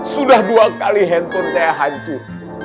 sudah dua kali handphone saya hancur